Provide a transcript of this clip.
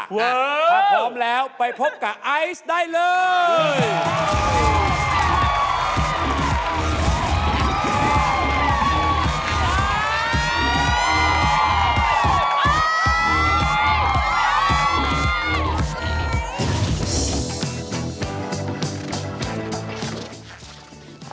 ถ้าพร้อมแล้วไปพบกับไอซ์ได้เลย